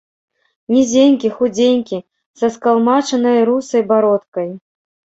Нізенькі, худзенькі, са скалмачанай русай бародкай.